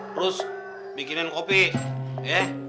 terus bikinin kopi ya